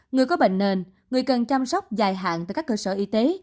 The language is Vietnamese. người có bệnh nền người cần chăm sóc dài hạn tại các cơ sở y tế